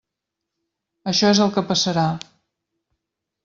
Això és el que passarà.